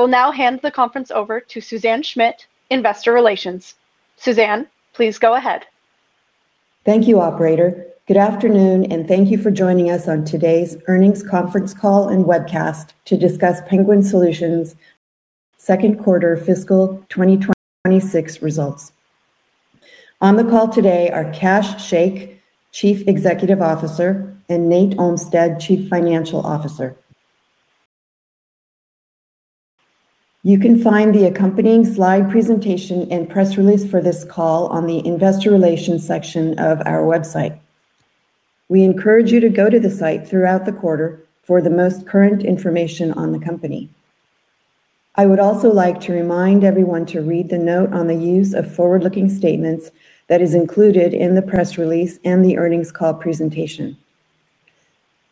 I will now hand the conference over to Suzanne Schmidt, Investor Relations. Suzanne, please go ahead. Thank you, operator. Good afternoon, and thank you for joining us on today's Earnings Conference Call and Webcast to discuss Penguin Solutions' Second Quarter Fiscal 2026 Results. On the call today are Kash Shaikh, Chief Executive Officer, and Nate Olmstead, Chief Financial Officer. You can find the accompanying slide presentation and press release for this call on the investor relations section of our website. We encourage you to go to the site throughout the quarter for the most current information on the company. I would also like to remind everyone to read the note on the use of forward-looking statements that is included in the press release and the earnings call presentation.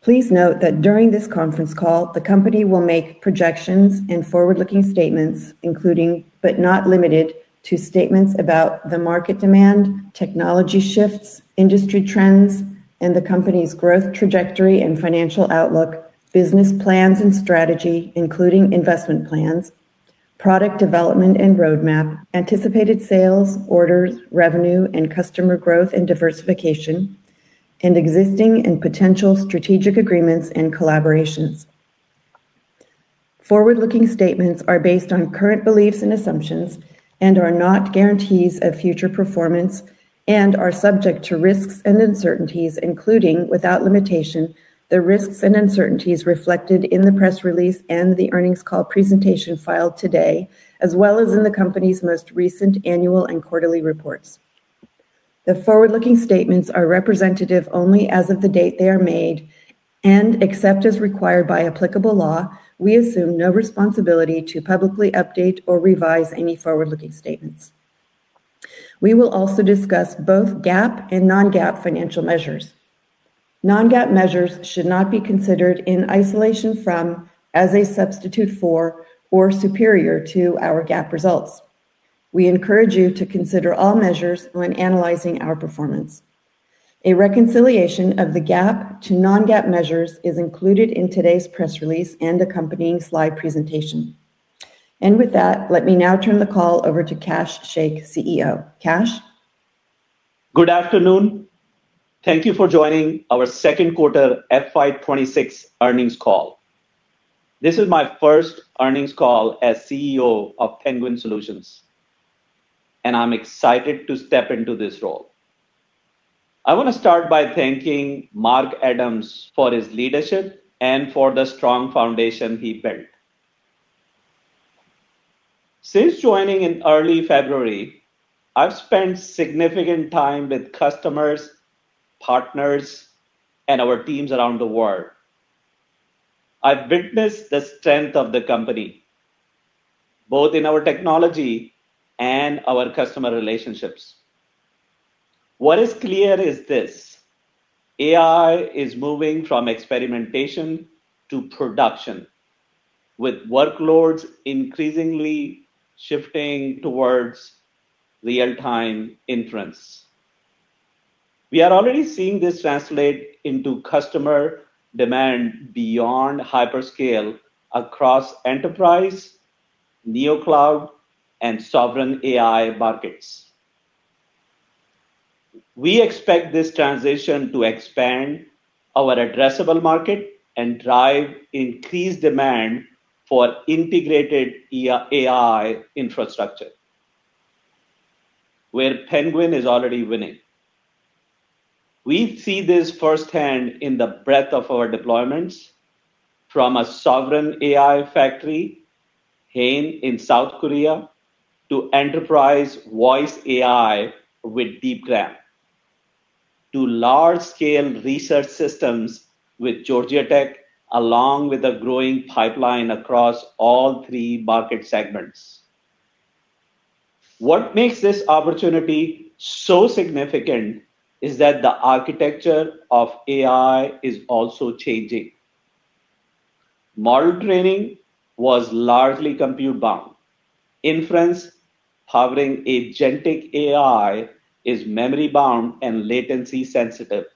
Please note that during this conference call, the company will make projections and forward-looking statements including, but not limited to, statements about the market demand, technology shifts, industry trends, and the company's growth trajectory and financial outlook, business plans and strategy, including investment plans, product development and roadmap, anticipated sales, orders, revenue, and customer growth and diversification, and existing and potential strategic agreements and collaborations. Forward-looking statements are based on current beliefs and assumptions and are not guarantees of future performance and are subject to risks and uncertainties, including, without limitation, the risks and uncertainties reflected in the press release and the earnings call presentation filed today, as well as in the company's most recent annual and quarterly reports. The forward-looking statements are representative only as of the date they are made, and except as required by applicable law, we assume no responsibility to publicly update or revise any forward-looking statements. We will also discuss both GAAP and non-GAAP financial measures. Non-GAAP measures should not be considered in isolation from, as a substitute for, or superior to our GAAP results. We encourage you to consider all measures when analyzing our performance. A reconciliation of the GAAP to non-GAAP measures is included in today's press release and accompanying slide presentation. With that, let me now turn the call over to Kash Shaikh, CEO. Kash? Good afternoon. Thank you for joining our second quarter FY 2026 earnings call. This is my first earnings call as CEO of Penguin Solutions, and I'm excited to step into this role. I want to start by thanking Mark Adams for his leadership and for the strong foundation he built. Since joining in early February, I've spent significant time with customers, partners, and our teams around the world. I've witnessed the strength of the company, both in our technology and our customer relationships. What is clear is this: AI is moving from experimentation to production, with workloads increasingly shifting towards real-time inference. We are already seeing this translate into customer demand beyond hyperscale across enterprise, Neocloud, and Sovereign AI markets. We expect this transition to expand our addressable market and drive increased demand for integrated AI infrastructure, where Penguin is already winning. We see this firsthand in the breadth of our deployments from a Sovereign AI factory, Hain, in South Korea to enterprise voice AI with Deepgram, to large-scale research systems with Georgia Tech, along with a growing pipeline across all three market segments. What makes this opportunity so significant is that the architecture of AI is also changing. Model training was largely compute bound. Inference, however, agentic AI is memory bound and latency sensitive.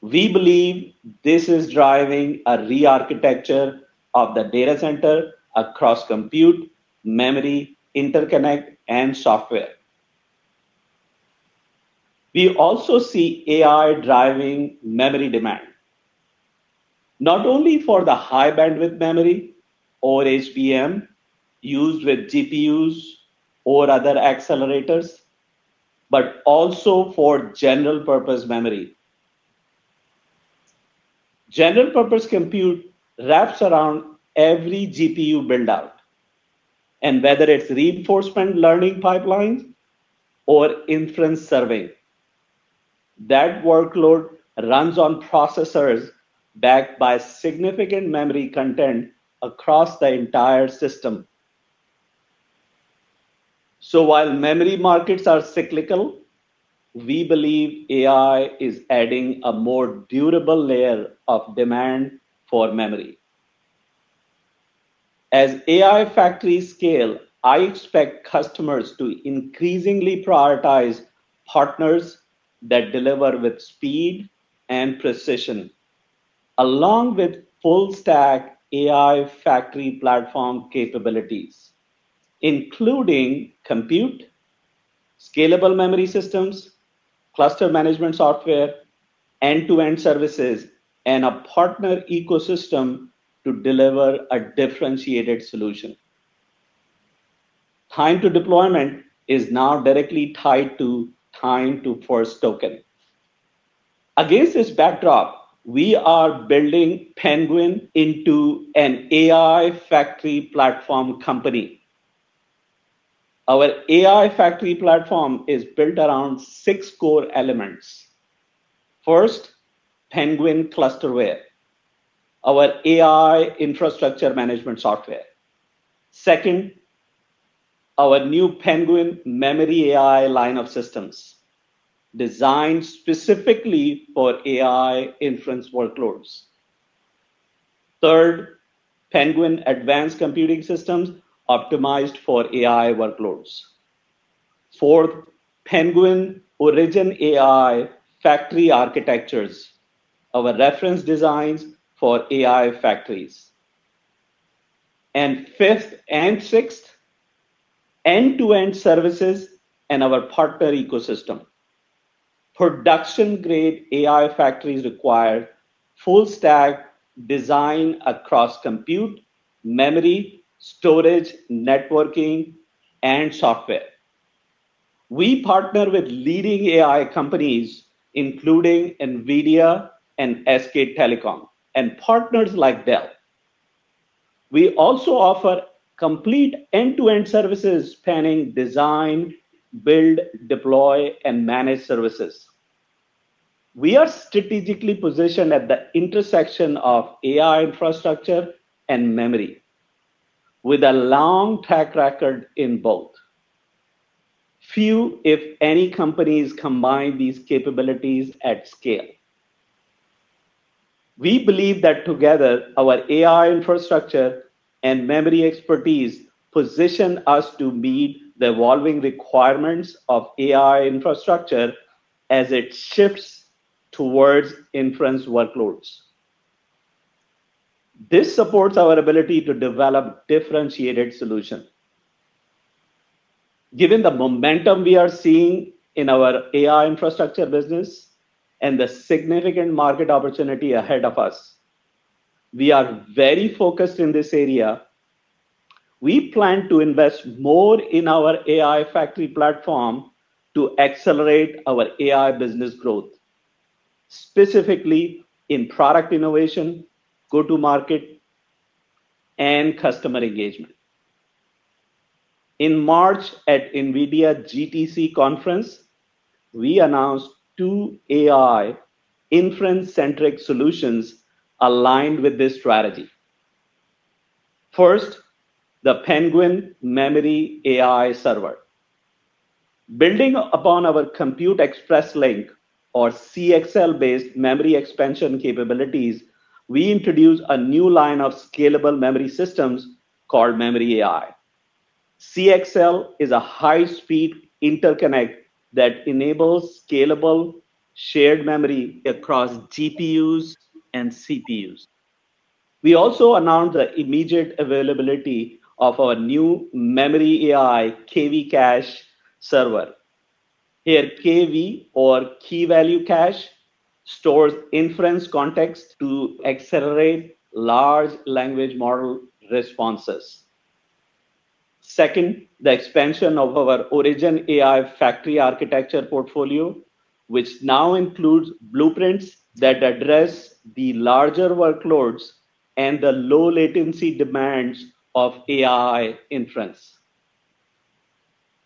We believe this is driving a re-architecture of the data center across compute, memory, interconnect, and software. We also see AI driving memory demand, not only for the High Bandwidth Memory or HBM used with GPUs or other accelerators, but also for general-purpose memory. General purpose compute wraps around every GPU build-out, and whether it's reinforcement learning pipelines or inference serving. That workload runs on processors backed by significant memory content across the entire system. While memory markets are cyclical, we believe AI is adding a more durable layer of demand for memory. As AI factories scale, I expect customers to increasingly prioritize partners that deliver with speed and precision. Along with full stack AI factory platform capabilities, including compute, scalable memory systems, cluster management software, end-to-end services, and a partner ecosystem to deliver a differentiated solution. Time to deployment is now directly tied to time to first token. Against this backdrop, we are building Penguin into an AI factory platform company. Our AI factory platform is built around six core elements. First, Penguin ICE ClusterWare, our AI infrastructure management software. Second, our new Penguin MemoryAI line of systems, designed specifically for AI inference workloads. Third, Penguin Advanced Computing systems optimized for AI workloads. Fourth, Penguin OriginAI factory architectures, our reference designs for AI factories. Fifth and sixth, end-to-end services and our partner ecosystem. Production-grade AI factories require full stack design across compute, memory, storage, networking, and software. We partner with leading AI companies, including NVIDIA and SK Telecom, and partners like Dell. We also offer complete end-to-end services spanning design, build, deploy, and managed services. We are strategically positioned at the intersection of AI infrastructure and memory with a long track record in both. Few, if any, companies combine these capabilities at scale. We believe that together, our AI infrastructure and memory expertise position us to meet the evolving requirements of AI infrastructure as it shifts towards inference workloads. This supports our ability to develop differentiated solution. Given the momentum we are seeing in our AI infrastructure business and the significant market opportunity ahead of us, we are very focused in this area. We plan to invest more in our AI factory platform to accelerate our AI business growth, specifically in product innovation, go-to-market, and customer engagement. In March at NVIDIA GTC conference, we announced two AI inference-centric solutions aligned with this strategy. First, the Penguin MemoryAI server. Building upon our Compute Express Link or CXL-based memory expansion capabilities, we introduce a new line of scalable memory systems called MemoryAI. CXL is a high speed interconnect that enables scalable shared memory across GPUs and CPUs. We also announced the immediate availability of our new MemoryAI KV cache server. Here, KV or key-value cache stores inference context to accelerate large language model responses. Second, the expansion of our OriginAI factory architecture portfolio, which now includes blueprints that address the larger workloads and the low latency demands of AI inference.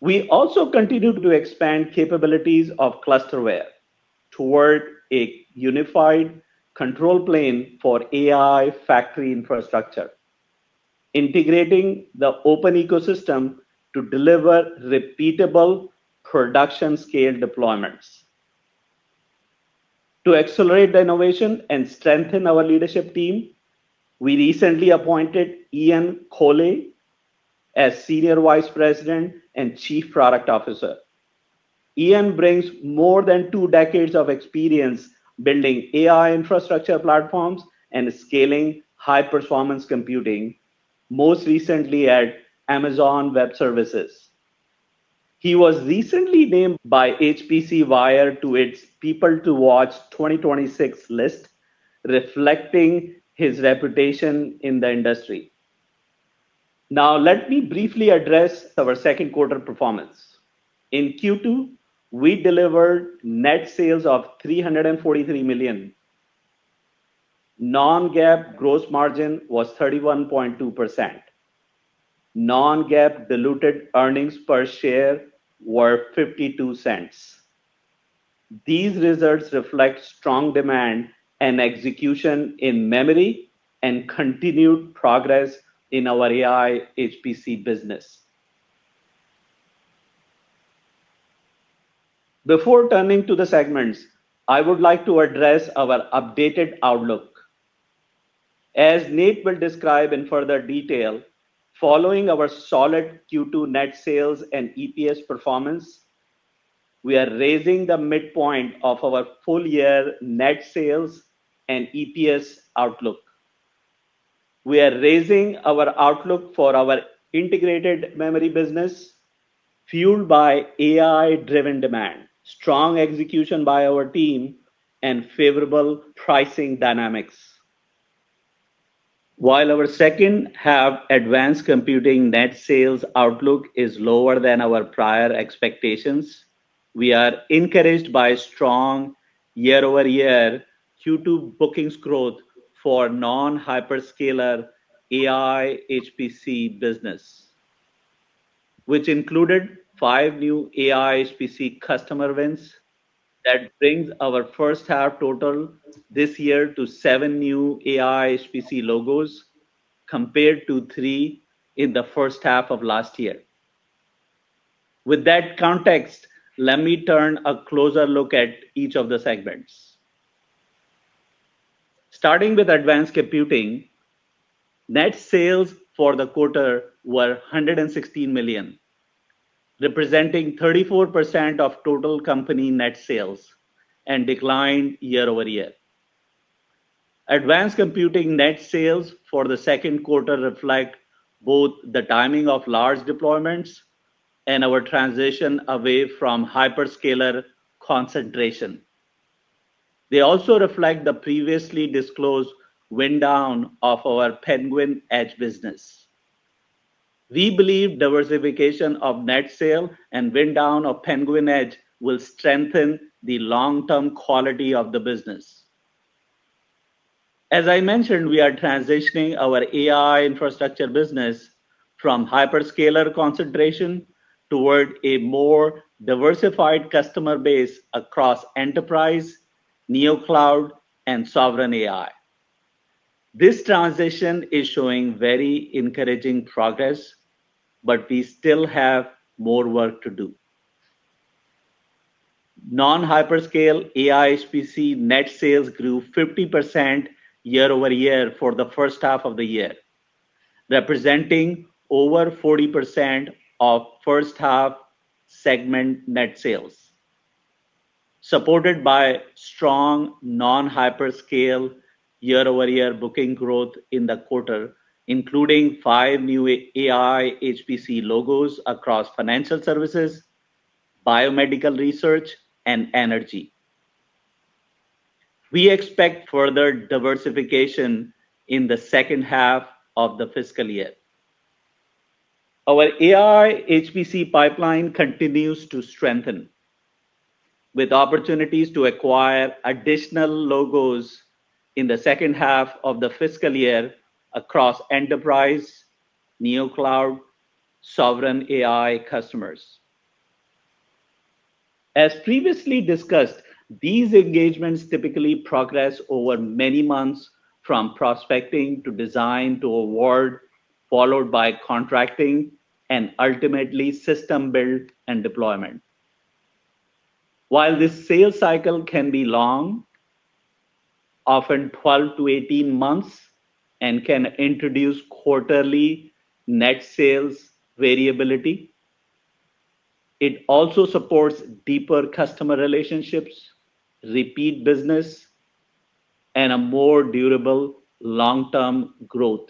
We also continue to expand capabilities of ClusterWare toward a unified control plane for AI factory infrastructure, integrating the open ecosystem to deliver repeatable production scale deployments. To accelerate the innovation and strengthen our leadership team, we recently appointed Ian Colle as Senior Vice President and Chief Product Officer. Ian brings more than two decades of experience building AI infrastructure platforms and scaling high-performance computing, most recently at Amazon Web Services. He was recently named by HPCwire to its People to Watch 2026 list, reflecting his reputation in the industry. Now, let me briefly address our second quarter performance. In Q2, we delivered net sales of $343 million. Non-GAAP gross margin was 31.2%. Non-GAAP diluted earnings per share were $0.52. These results reflect strong demand and execution in memory and continued progress in our AI/HPC business. Before turning to the segments, I would like to address our updated outlook. As Nate will describe in further detail, following our solid Q2 net sales and EPS performance, we are raising the midpoint of our full year net sales and EPS outlook. We are raising our outlook for our Integrated Memory business, fueled by AI-driven demand, strong execution by our team, and favorable pricing dynamics. While our second half Advanced Computing net sales outlook is lower than our prior expectations, we are encouraged by strong year-over-year Q2 bookings growth for non-hyperscaler AI/HPC business, which included five new AI/HPC customer wins that brings our first half total this year to seven new AI/HPC logos, compared to three in the first half of last year. With that context, let me take a closer look at each of the segments. Starting with Advanced Computing, net sales for the quarter were $116 million, representing 34% of total company net sales and declined year-over-year. Advanced Computing net sales for the second quarter reflect both the timing of large deployments and our transition away from hyperscaler concentration. They also reflect the previously disclosed wind down of our Penguin Edge business. We believe diversification of net sales and wind down of Penguin Edge will strengthen the long-term quality of the business. As I mentioned, we are transitioning our AI infrastructure business from hyperscaler concentration toward a more diversified customer base across enterprise, Neocloud, and Sovereign AI. This transition is showing very encouraging progress, but we still have more work to do. Non-hyperscale AI/HPC net sales grew 50% year-over-year for the first half of the year, representing over 40% of first half segment net sales, supported by strong non-hyperscale year-over-year booking growth in the quarter, including five new AI/HPC logos across financial services, biomedical research, and energy. We expect further diversification in the second half of the fiscal year. Our AI/HPC pipeline continues to strengthen with opportunities to acquire additional logos in the second half of the fiscal year across enterprise, Neocloud, Sovereign AI customers. As previously discussed, these engagements typically progress over many months from prospecting to design to award, followed by contracting and ultimately system build and deployment. While this sales cycle can be long, often 12-18 months, and can introduce quarterly net sales variability, it also supports deeper customer relationships, repeat business, and a more durable long-term growth.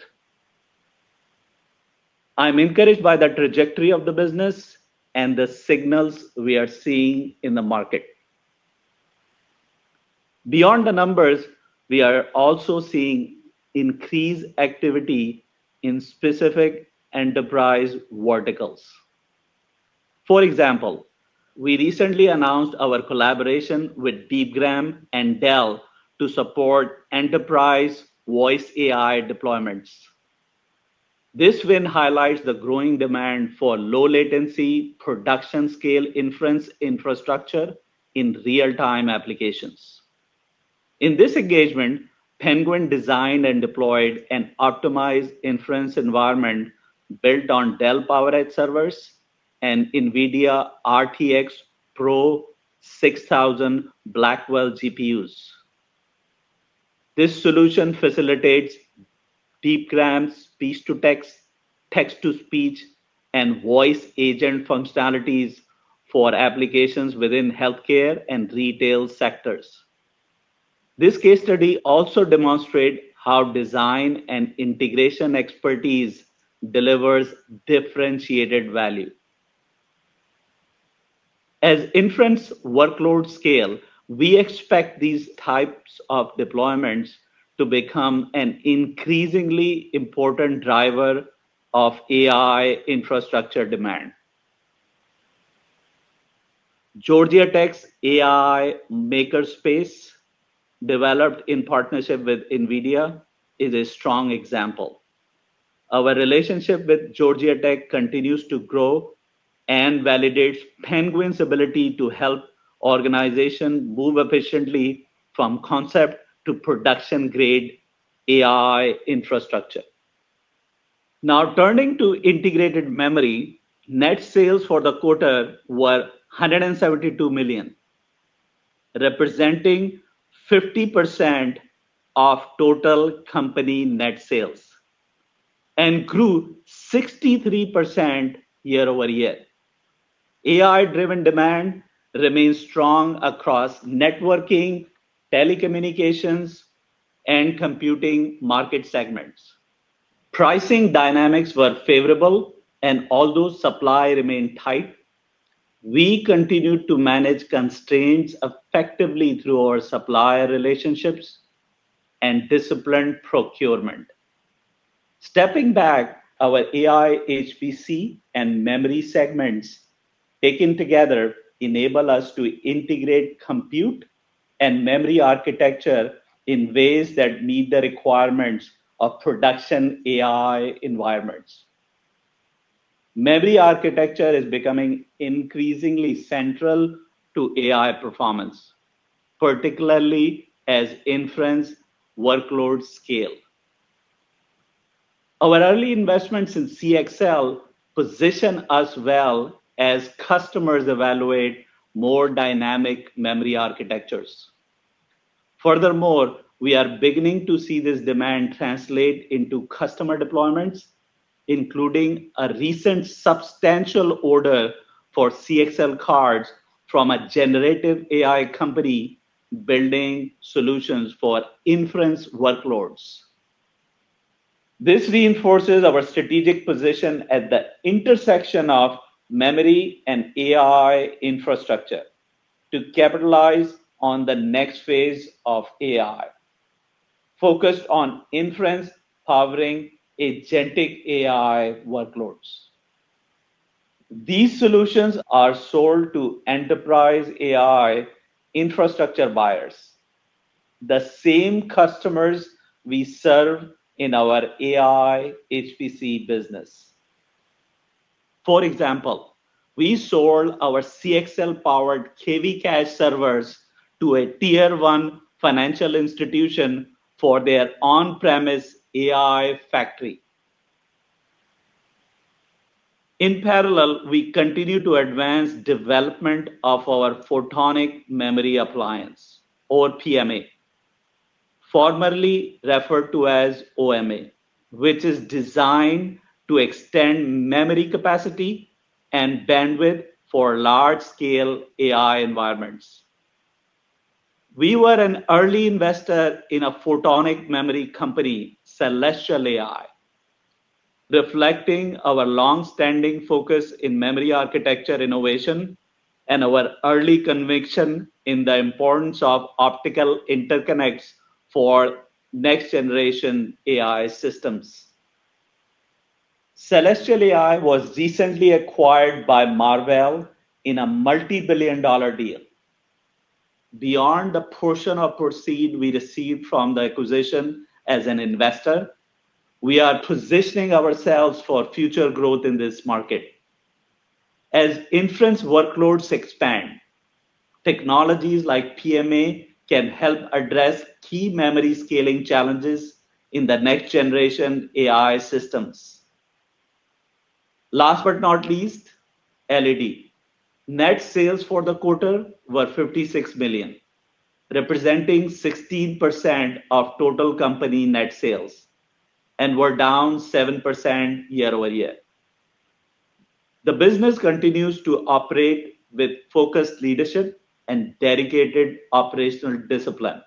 I'm encouraged by the trajectory of the business and the signals we are seeing in the market. Beyond the numbers, we are also seeing increased activity in specific enterprise verticals. For example, we recently announced our collaboration with Deepgram and Dell to support enterprise voice AI deployments. This win highlights the growing demand for low latency, production scale inference infrastructure in real-time applications. In this engagement, Penguin designed and deployed an optimized inference environment built on Dell PowerEdge servers and NVIDIA RTX PRO 6000 Blackwell GPUs. This solution facilitates Deepgram's speech-to-text, text-to-speech, and voice agent functionalities for applications within healthcare and retail sectors. This case study also demonstrates how design and integration expertise delivers differentiated value. As inference workloads scale, we expect these types of deployments to become an increasingly important driver of AI infrastructure demand. Georgia Tech's AI makerspace, developed in partnership with NVIDIA, is a strong example. Our relationship with Georgia Tech continues to grow and validates Penguin's ability to help organizations move efficiently from concept to production-grade AI infrastructure. Now turning to Integrated Memory. Net sales for the quarter were $172 million, representing 50% of total company net sales and grew 63% year-over-year. AI-driven demand remains strong across networking, telecommunications, and computing market segments. Pricing dynamics were favorable and although supply remained tight, we continued to manage constraints effectively through our supplier relationships and disciplined procurement. Stepping back, our AI/HPC, and memory segments taken together enable us to integrate, compute, and memory architecture in ways that meet the requirements of production AI environments. Memory architecture is becoming increasingly central to AI performance, particularly as inference workloads scale. Our early investments in CXL position us well as customers evaluate more dynamic memory architectures. Furthermore, we are beginning to see this demand translate into customer deployments, including a recent substantial order for CXL cards from a generative AI company building solutions for inference workloads. This reinforces our strategic position at the intersection of memory and AI infrastructure to capitalize on the next phase of AI, focused on inference powering agentic AI workloads. These solutions are sold to enterprise AI infrastructure buyers, the same customers we serve in our AI/HPC business. For example, we sold our CXL-powered KV cache servers to a tier one financial institution for their on-premise AI factory. In parallel, we continue to advance development of our Photonic Memory Appliance or PMA, formerly referred to as OMA, which is designed to extend memory capacity and bandwidth for large scale AI environments. We were an early investor in a Photonic Memory company, Celestial AI, reflecting our long-standing focus in memory architecture innovation and our early conviction in the importance of optical interconnects for next-generation AI systems. Celestial AI was recently acquired by Marvell in a multi-billion-dollar deal. Beyond the portion of proceeds we received from the acquisition as an investor, we are positioning ourselves for future growth in this market. As inference workloads expand, technologies like PMA can help address key memory scaling challenges in the next-generation AI systems. Last but not least, LED. Net sales for the quarter were $56 million, representing 16% of total company net sales, and were down 7% year-over-year. The business continues to operate with focused leadership and dedicated operational discipline.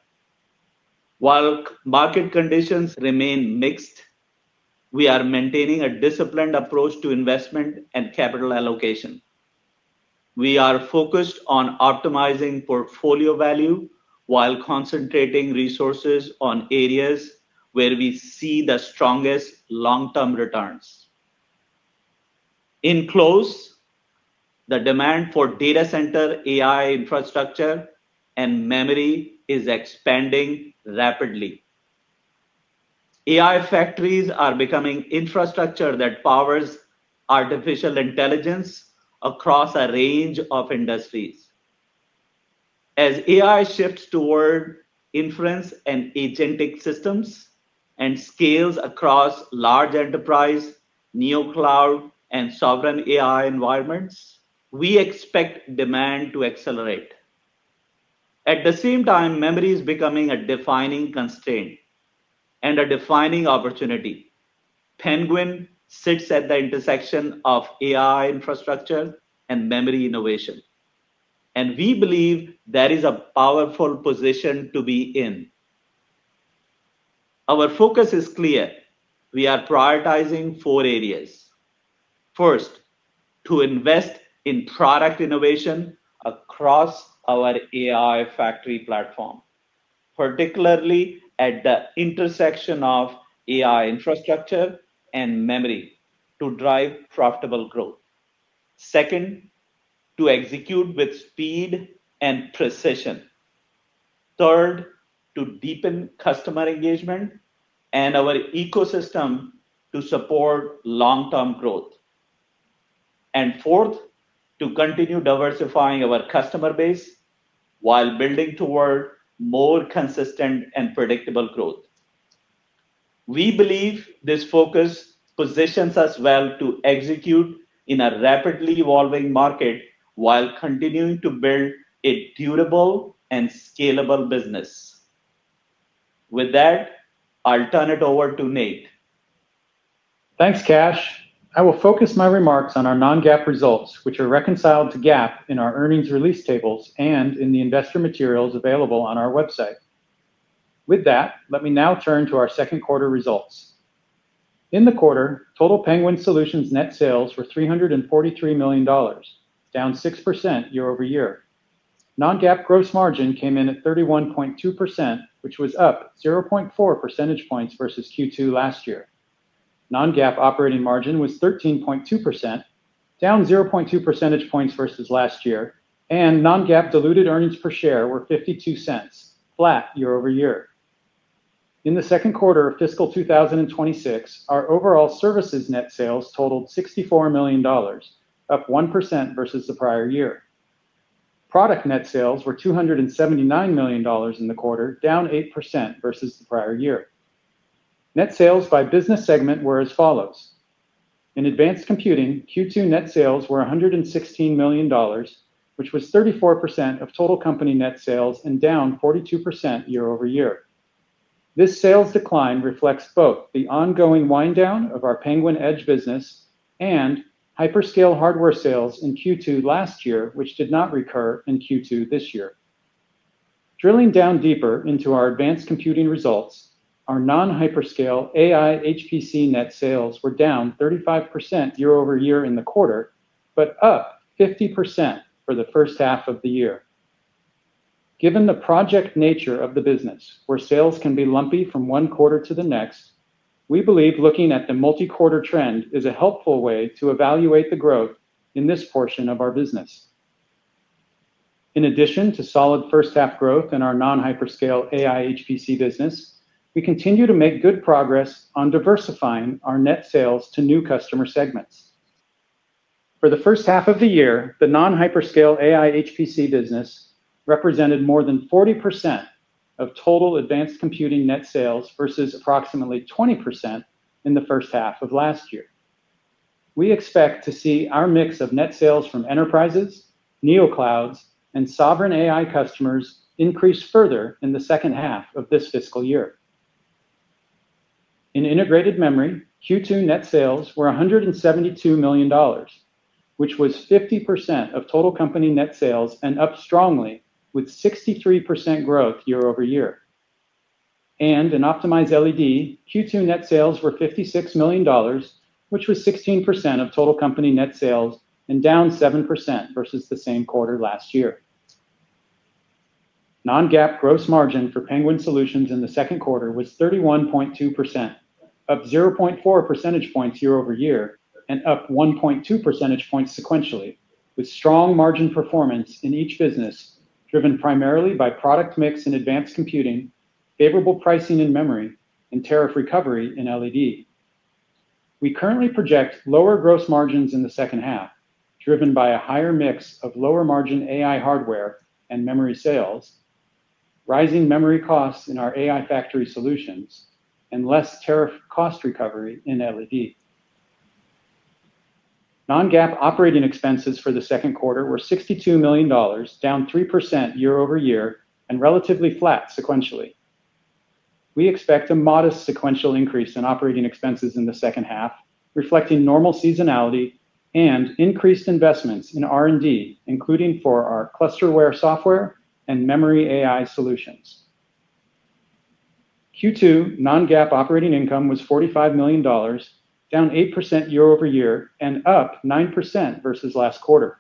While market conditions remain mixed, we are maintaining a disciplined approach to investment and capital allocation. We are focused on optimizing portfolio value while concentrating resources on areas where we see the strongest long-term returns. In closing, the demand for data center AI infrastructure and memory is expanding rapidly. AI factories are becoming infrastructure that powers artificial intelligence across a range of industries. As AI shifts toward inference and agentic systems and scales across large enterprise, Neocloud and Sovereign AI environments, we expect demand to accelerate. At the same time, memory is becoming a defining constraint and a defining opportunity. Penguin sits at the intersection of AI infrastructure and memory innovation, and we believe that is a powerful position to be in. Our focus is clear. We are prioritizing four areas. First, to invest in product innovation across our AI factory platform, particularly at the intersection of AI infrastructure and memory to drive profitable growth. Second, to execute with speed and precision. Third, to deepen customer engagement and our ecosystem to support long-term growth. Fourth, to continue diversifying our customer base while building toward more consistent and predictable growth. We believe this focus positions us well to execute in a rapidly evolving market while continuing to build a durable and scalable business. With that, I'll turn it over to Nate. Thanks, Kash. I will focus my remarks on our non-GAAP results, which are reconciled to GAAP in our earnings release tables and in the investor materials available on our website. With that, let me now turn to our second quarter results. In the quarter, total Penguin Solutions net sales were $343 million, down 6% year-over-year. Non-GAAP gross margin came in at 31.2%, which was up 0.4 percentage points versus Q2 last year. Non-GAAP operating margin was 13.2%, down 0.2 percentage points versus last year. Non-GAAP diluted earnings per share were $0.52, flat year-over-year. In the second quarter of fiscal 2026, our overall services net sales totaled $64 million, up 1% versus the prior year. Product net sales were $279 million in the quarter, down 8% versus the prior year. Net sales by business segment were as follows: In Advanced Computing, Q2 net sales were $116 million, which was 34% of total company net sales and down 42% year-over-year. This sales decline reflects both the ongoing wind down of our Penguin Edge business and hyperscale hardware sales in Q2 last year, which did not recur in Q2 this year. Drilling down deeper into our Advanced Computing results, our non-hyperscale AI/HPC net sales were down 35% year-over-year in the quarter, but up 50% for the first half of the year. Given the project nature of the business, where sales can be lumpy from one quarter to the next, we believe looking at the multi-quarter trend is a helpful way to evaluate the growth in this portion of our business. In addition to solid first half growth in our non-hyperscale AI/HPC business, we continue to make good progress on diversifying our net sales to new customer segments. For the first half of the year, the non-hyperscale AI/HPC business represented more than 40% of total Advanced Computing net sales versus approximately 20% in the first half of last year. We expect to see our mix of net sales from enterprises, Neoclouds, and Sovereign AI customers increase further in the second half of this fiscal year. In Integrated Memory, Q2 net sales were $172 million, which was 50% of total company net sales and up strongly with 63% growth year-over-year. In Optimized LED, Q2 net sales were $56 million, which was 16% of total company net sales and down 7% versus the same quarter last year. Non-GAAP gross margin for Penguin Solutions in the second quarter was 31.2%, up 0.4 percentage points year-over-year, and up 1.2 percentage points sequentially with strong margin performance in each business driven primarily by product mix in Advanced Computing, favorable pricing in memory, and tariff recovery in LED. We currently project lower gross margins in the second half, driven by a higher mix of lower margin AI hardware and memory sales, rising memory costs in our AI factory solutions, and less tariff cost recovery in LED. Non-GAAP operating expenses for the second quarter were $62 million, down 3% year-over-year and relatively flat sequentially. We expect a modest sequential increase in operating expenses in the second half, reflecting normal seasonality and increased investments in R&D, including for our ClusterWare software and MemoryAI solutions. Q2 non-GAAP operating income was $45 million, down 8% year-over-year and up 9% versus last quarter.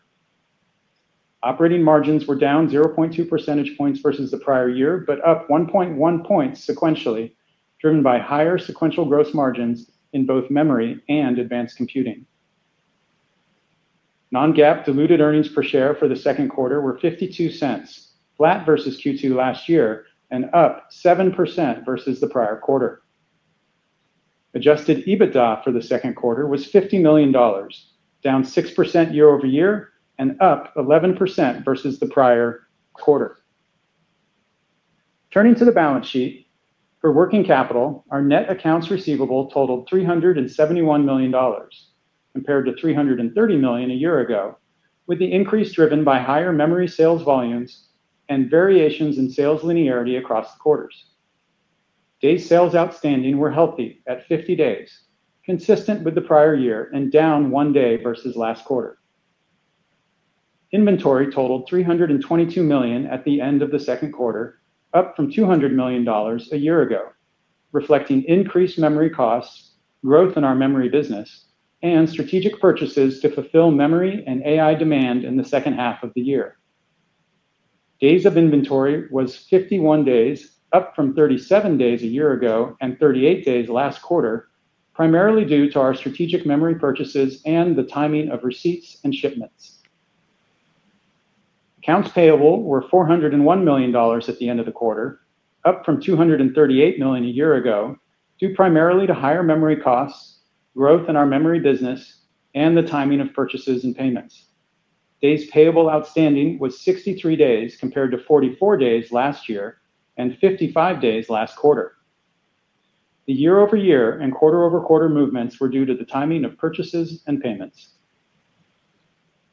Operating margins were down 0.2 percentage points versus the prior year, but up 1.1 points sequentially, driven by higher sequential gross margins in both Memory and Advanced Computing. Non-GAAP diluted earnings per share for the second quarter were $0.52, flat versus Q2 last year and up 7% versus the prior quarter. Adjusted EBITDA for the second quarter was $50 million, down 6% year-over-year and up 11% versus the prior quarter. Turning to the balance sheet. For working capital, our net accounts receivable totaled $371 million compared to $330 million a year ago, with the increase driven by higher memory sales volumes and variations in sales linearity across the quarters. Day sales outstanding were healthy at 50 days, consistent with the prior year and down one day versus last quarter. Inventory totaled $322 million at the end of the second quarter, up from $200 million a year ago, reflecting increased memory costs, growth in our memory business, and strategic purchases to fulfill Memory and AI demand in the second half of the year. Days of inventory was 51 days, up from 37 days a year ago and 38 days last quarter, primarily due to our strategic memory purchases and the timing of receipts and shipments. Accounts payable were $401 million at the end of the quarter, up from $238 million a year ago, due primarily to higher memory costs, growth in our memory business, and the timing of purchases and payments. Days payable outstanding was 63 days compared to 44 days last year and 55 days last quarter. The year-over-year and quarter-over-quarter movements were due to the timing of purchases and payments.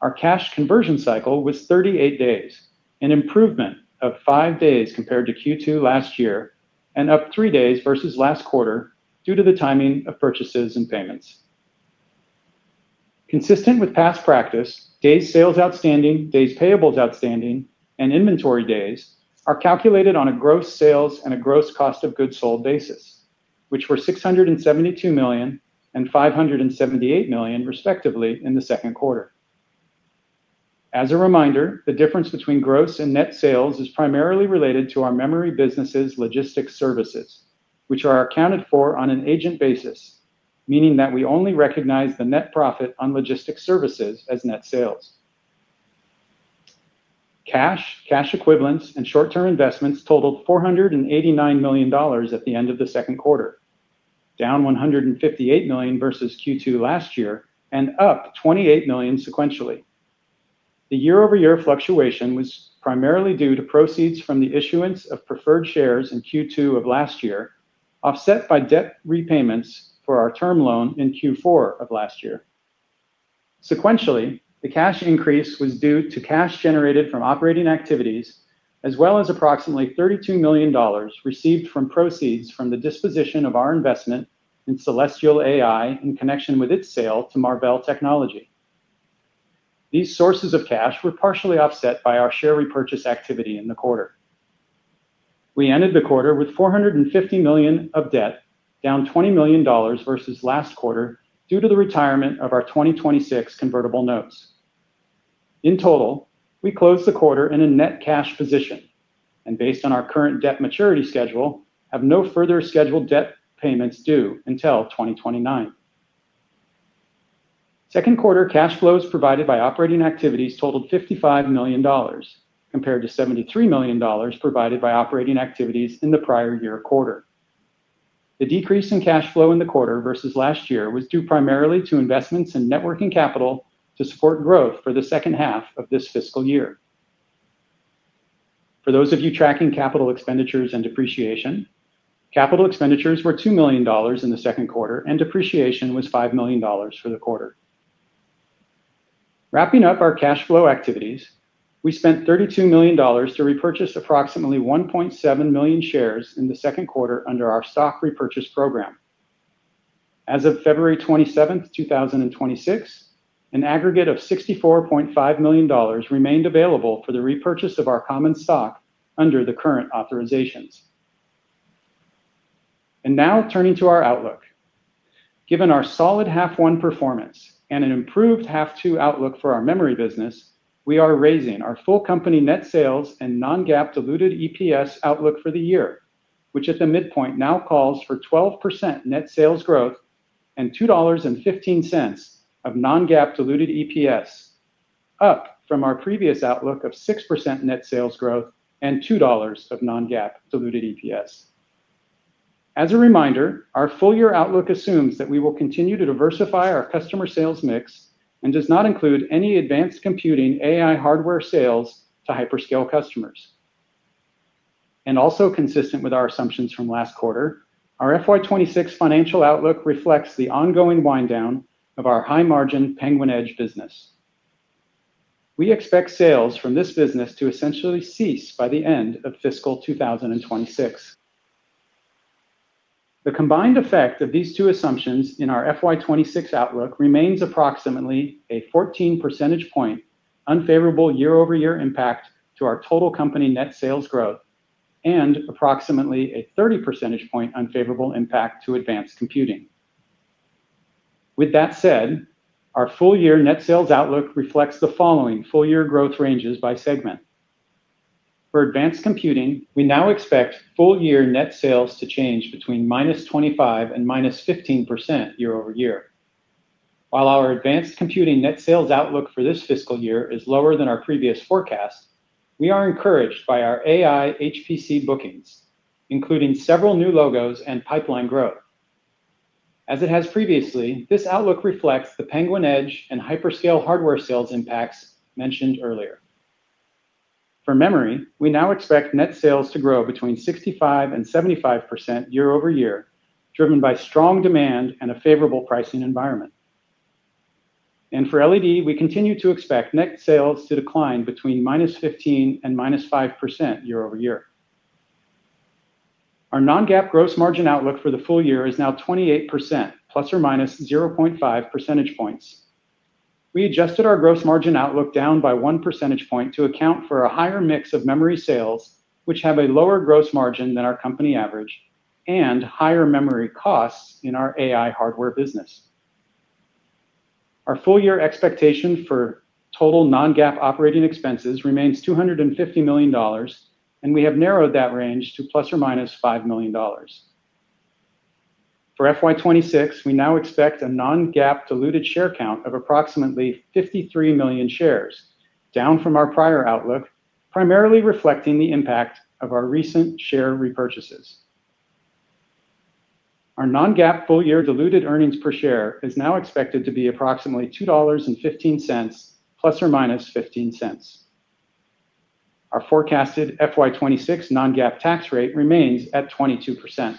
Our cash conversion cycle was 38 days, an improvement of five days compared to Q2 last year and up three days versus last quarter due to the timing of purchases and payments. Consistent with past practice, days sales outstanding, days payables outstanding, and inventory days are calculated on a gross sales and a gross cost of goods sold basis, which were $672 million and $578 million respectively in the second quarter. As a reminder, the difference between gross and net sales is primarily related to our memory business' logistics services, which are accounted for on an agent basis, meaning that we only recognize the net profit on logistics services as net sales. Cash, cash equivalents, and short-term investments totaled $489 million at the end of the second quarter, down $158 million versus Q2 last year and up $28 million sequentially. The year-over-year fluctuation was primarily due to proceeds from the issuance of preferred shares in Q2 of last year, offset by debt repayments for our term loan in Q4 of last year. Sequentially, the cash increase was due to cash generated from operating activities, as well as approximately $32 million received from proceeds from the disposition of our investment in Celestial AI in connection with its sale to Marvell Technology. These sources of cash were partially offset by our share repurchase activity in the quarter. We ended the quarter with $450 million of debt, down $20 million versus last quarter due to the retirement of our 2026 convertible notes. In total, we closed the quarter in a net cash position, and based on our current debt maturity schedule, have no further scheduled debt payments due until 2029. Second quarter cash flows provided by operating activities totaled $55 million, compared to $73 million provided by operating activities in the prior year quarter. The decrease in cash flow in the quarter versus last year was due primarily to investments in net working capital to support growth for the second half of this fiscal year. For those of you tracking capital expenditures and depreciation, capital expenditures were $2 million in the second quarter, and depreciation was $5 million for the quarter. Wrapping up our cash flow activities, we spent $32 million to repurchase approximately 1.7 million shares in the second quarter under our stock repurchase program. As of February 27th, 2026, an aggregate of $64.5 million remained available for the repurchase of our common stock under the current authorizations. Now turning to our outlook. Given our solid half one performance and an improved half two outlook for our Memory business, we are raising our full company net sales and non-GAAP diluted EPS outlook for the year, which at the midpoint now calls for 12% net sales growth and $2.15 of non-GAAP diluted EPS, up from our previous outlook of 6% net sales growth and $2 of non-GAAP diluted EPS. As a reminder, our full year outlook assumes that we will continue to diversify our customer sales mix and does not include any Advanced Computing AI hardware sales to hyperscale customers. Consistent with our assumptions from last quarter, our FY 2026 financial outlook reflects the ongoing wind down of our high margin Penguin Edge business. We expect sales from this business to essentially cease by the end of fiscal 2026. The combined effect of these two assumptions in our FY 2026 outlook remains approximately a 14 percentage point unfavorable year-over-year impact to our total company net sales growth and approximately a 30 percentage point unfavorable impact to Advanced Computing. With that said, our full year net sales outlook reflects the following full year growth ranges by segment. For Advanced Computing, we now expect full year net sales to change between -25% and -15% year-over-year. While our Advanced Computing net sales outlook for this fiscal year is lower than our previous forecast, we are encouraged by our AI/HPC bookings, including several new logos and pipeline growth. As it has previously, this outlook reflects the Penguin Edge and hyperscale hardware sales impacts mentioned earlier. For Memory, we now expect net sales to grow between 65% and 75% year-over-year, driven by strong demand and a favorable pricing environment. For LED, we continue to expect net sales to decline between -15% and -5% year-over-year. Our non-GAAP gross margin outlook for the full year is now 28% ±0.5 percentage points. We adjusted our gross margin outlook down by one percentage point to account for a higher mix of memory sales, which have a lower gross margin than our company average and higher memory costs in our AI hardware business. Our full year expectation for total non-GAAP operating expenses remains $250 million, and we have narrowed that range to ±$5 million. For FY 2026, we now expect a non-GAAP diluted share count of approximately 53 million shares down from our prior outlook, primarily reflecting the impact of our recent share repurchases. Our non-GAAP full year diluted earnings per share is now expected to be approximately $2.15 ±$0.15. Our forecasted FY 2026 non-GAAP tax rate remains at 22%.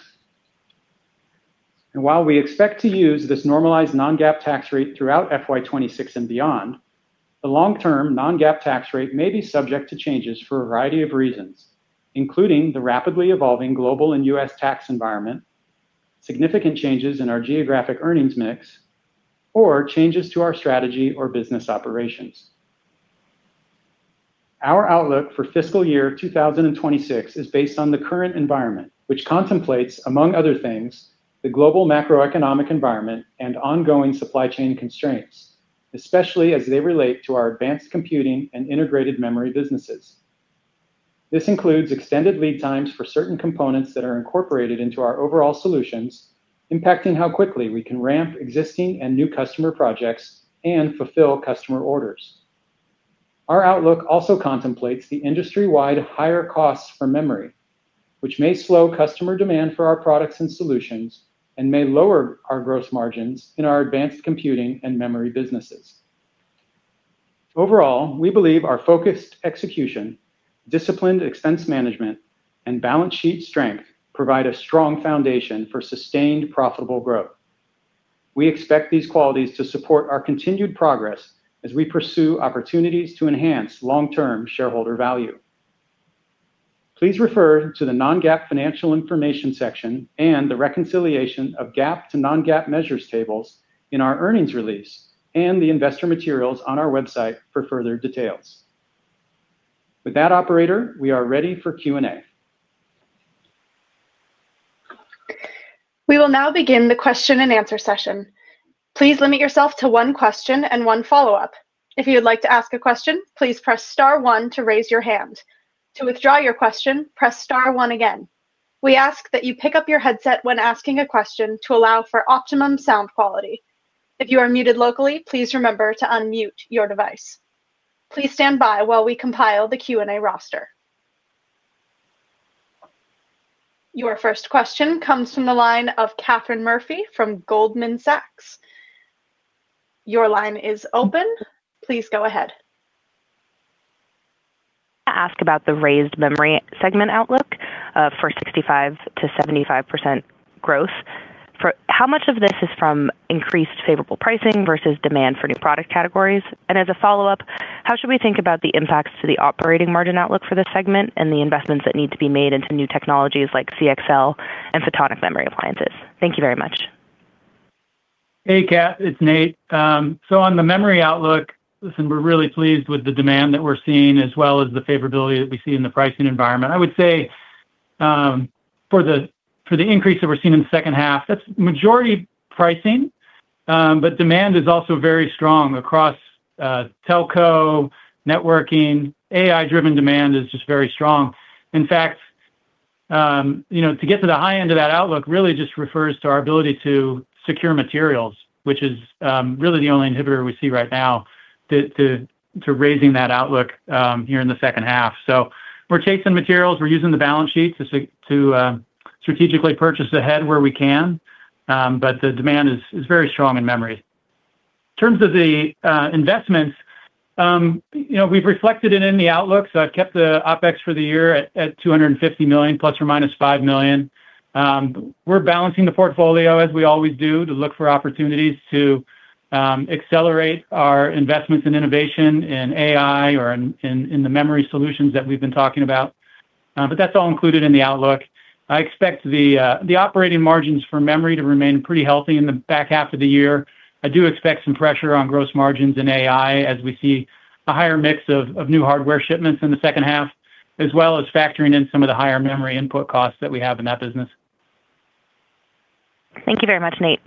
While we expect to use this normalized non-GAAP tax rate throughout FY 2026 and beyond, the long-term non-GAAP tax rate may be subject to changes for a variety of reasons, including the rapidly evolving global and U.S. tax environment, significant changes in our geographic earnings mix, or changes to our strategy or business operations. Our outlook for fiscal year 2026 is based on the current environment, which contemplates, among other things, the global macroeconomic environment and ongoing supply chain constraints, especially as they relate to our Advanced Computing and Integrated Memory businesses. This includes extended lead times for certain components that are incorporated into our overall solutions, impacting how quickly we can ramp existing and new customer projects and fulfill customer orders. Our outlook also contemplates the industry-wide higher costs for memory, which may slow customer demand for our products and solutions and may lower our gross margins in our Advanced Computing and Memory businesses. Overall, we believe our focused execution, disciplined expense management, and balance sheet strength provide a strong foundation for sustained profitable growth. We expect these qualities to support our continued progress as we pursue opportunities to enhance long-term shareholder value. Please refer to the non-GAAP financial information section and the reconciliation of GAAP to non-GAAP measures tables in our earnings release and the investor materials on our website for further details. With that, operator, we are ready for Q&A. We will now begin the question and answer session. Please limit yourself to one question and one follow-up. If you would like to ask a question, please press star one to raise your hand. To withdraw your question, press star one again. We ask that you pick up your headset when asking a question to allow for optimum sound quality. If you are muted locally, please remember to unmute your device. Please stand by while we compile the Q&A roster. Your first question comes from the line of Katherine Murphy from Goldman Sachs. Your line is open. Please go ahead. Ask about the raised memory segment outlook for 65%-75% growth. For how much of this is from increased favorable pricing versus demand for new product categories? As a follow-up, how should we think about the impacts to the operating margin outlook for this segment and the investments that need to be made into new technologies like CXL and Photonic Memory Appliances? Thank you very much. Hey, Kath, it's Nate. On the memory outlook, listen, we're really pleased with the demand that we're seeing as well as the favorability that we see in the pricing environment. I would say, for the increase that we're seeing in the second half, that's majority pricing, but demand is also very strong across telco, networking. AI-driven demand is just very strong. In fact, you know, to get to the high end of that outlook really just refers to our ability to secure materials, which is really the only inhibitor we see right now to raising that outlook here in the second half. We're chasing materials. We're using the balance sheet to strategically purchase ahead where we can. The demand is very strong in memory. In terms of the investments, you know, we've reflected it in the outlook, so I've kept the OpEx for the year at $250 million ± $5 million. We're balancing the portfolio, as we always do, to look for opportunities to accelerate our investments in innovation in AI or in the Memory solutions that we've been talking about. That's all included in the outlook. I expect the operating margins for Memory to remain pretty healthy in the back half of the year. I do expect some pressure on gross margins in AI as we see a higher mix of new hardware shipments in the second half, as well as factoring in some of the higher memory input costs that we have in that business. Thank you very much, Nate.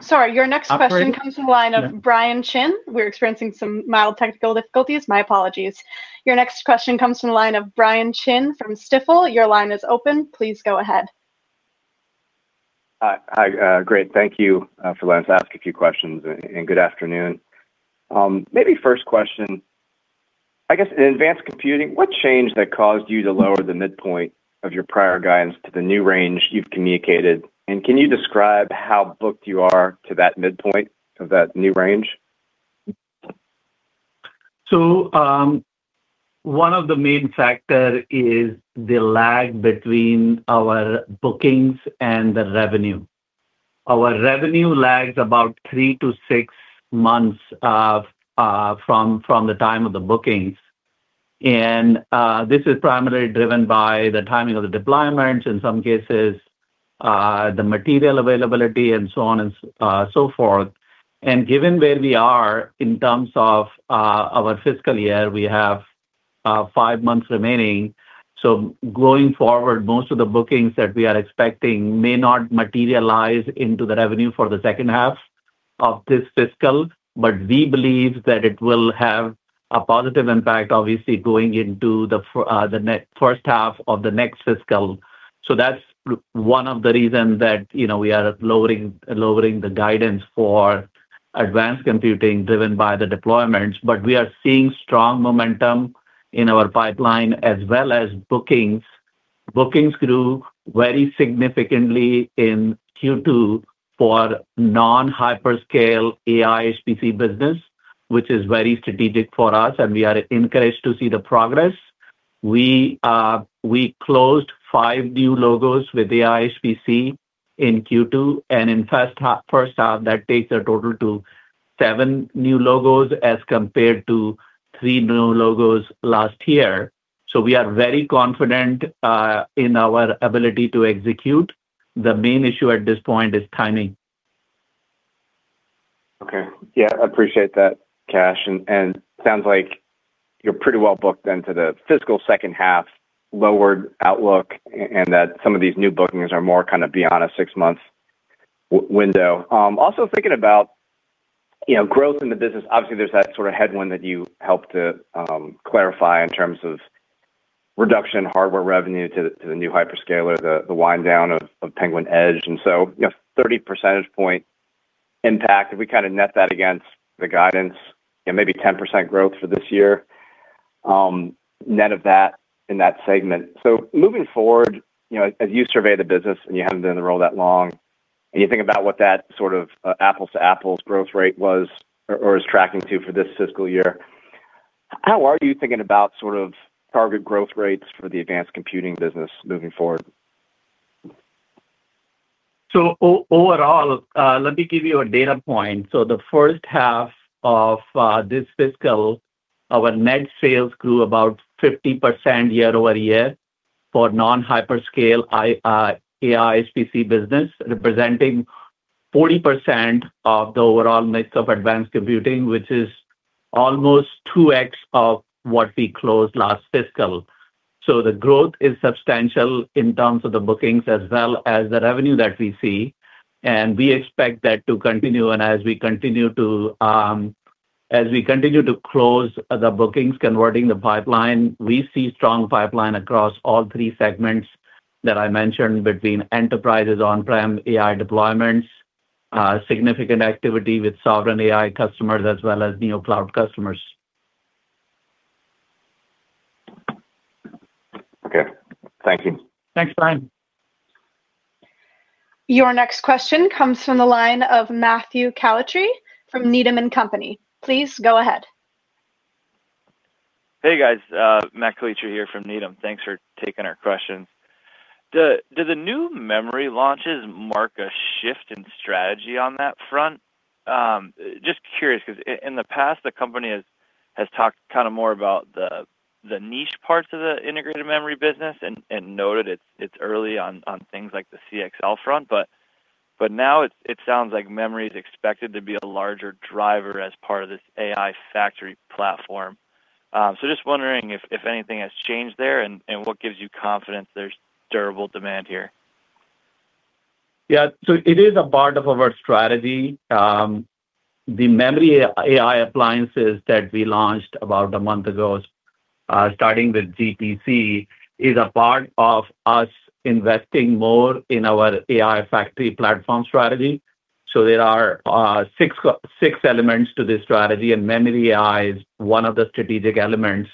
You bet. Sorry. Your next question comes from the line of Brian Chin. We're experiencing some mild technical difficulties. My apologies. Your next question comes from the line of Brian Chin from Stifel. Your line is open. Please go ahead. Hi. Great. Thank you for letting us ask a few questions, and good afternoon. Maybe first question, I guess in Advanced Computing, what changed that caused you to lower the midpoint of your prior guidance to the new range you've communicated? And can you describe how booked you are to that midpoint of that new range? One of the main factor is the lag between our bookings and the revenue. Our revenue lags about three to six months from the time of the bookings. This is primarily driven by the timing of the deployments in some cases. The material availability and so on and so forth. Given where we are in terms of our fiscal year, we have five months remaining. Going forward, most of the bookings that we are expecting may not materialize into the revenue for the second half of this fiscal, but we believe that it will have a positive impact, obviously, going into the first half of the next fiscal. That's one of the reasons that, you know, we are lowering the guidance for Advanced Computing driven by the deployments. We are seeing strong momentum in our pipeline as well as bookings. Bookings grew very significantly in Q2 for non-hyperscale AI/HPC business, which is very strategic for us, and we are encouraged to see the progress. We closed five new logos with AI/HPC in Q2 and in first half that takes the total to seven new logos as compared to three new logos last year. We are very confident in our ability to execute. The main issue at this point is timing. Okay. Yeah, I appreciate that, Kash. Sounds like you're pretty well booked into the fiscal second half lowered outlook, and that some of these new bookings are more kind of beyond a six-month window. Also thinking about, you know, growth in the business. Obviously, there's that sort of headwind that you helped to clarify in terms of reduction in hardware revenue to the new hyperscaler, the wind down of Penguin Edge. You know, 30 percentage point impact, if we kind of net that against the guidance, you know, maybe 10% growth for this year, net of that in that segment. Moving forward, you know, as you survey the business, and you haven't been in the role that long, and you think about what that sort of apples-to-apples growth rate was or is tracking to for this fiscal year, how are you thinking about sort of target growth rates for the Advanced Computing business moving forward? Overall, let me give you a data point. The first half of this fiscal, our net sales grew about 50% year-over-year for non-hyperscale AI/HPC business, representing 40% of the overall mix of Advanced Computing, which is almost 2x of what we closed last fiscal. The growth is substantial in terms of the bookings as well as the revenue that we see, and we expect that to continue. As we continue to close the bookings, converting the pipeline, we see strong pipeline across all three segments that I mentioned between enterprises on-prem AI deployments, significant activity with Sovereign AI customers, as well as Neocloud customers. Okay. Thank you. Thanks, Brian. Your next question comes from the line of Matthew Calitri from Needham & Company. Please go ahead. Hey, guys. Matthew Calitri here from Needham. Thanks for taking our question. Do the new Memory launches mark a shift in strategy on that front? Just curious because in the past the company has talked kinda more about the niche parts of the Integrated Memory business and noted it's early on things like the CXL front. Now it sounds like memory is expected to be a larger driver as part of this AI factory platform. Just wondering if anything has changed there and what gives you confidence there's durable demand here. Yeah. It is a part of our strategy. The MemoryAI appliances that we launched about a month ago, starting with GTC, is a part of us investing more in our AI factory platform strategy. There are six elements to this strategy, and MemoryAI is one of the strategic elements